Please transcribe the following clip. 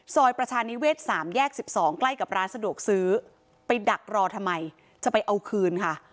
ซอยประชานิเวศ๓แยก๑๒ใกล้กับร้านสะดวกซื้อไปดักรอทำไมจะไปเอาคืนค่ะ